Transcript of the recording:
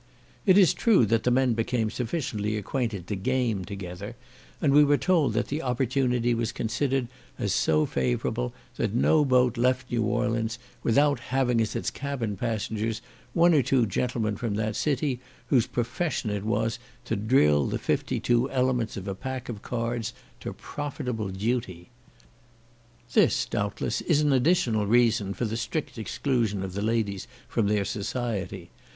It is true that the men became sufficiently acquainted to game together, and we were told that the opportunity was considered as so favourable, that no boat left New Orleans without having as cabin passengers one or two gentlemen from that city whose profession it was to drill the fifty two elements of a pack of cards to profitable duty. This doubtless is an additional reason for the strict exclusion of the ladies from their society.